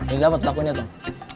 ini dapet pakunya tong